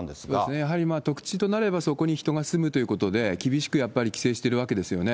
やはり宅地となれば、そこに人が住むということで、厳しくやっぱり規制してるわけですよね。